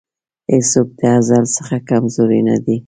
هېڅوک د ازل څخه کمزوری نه دی.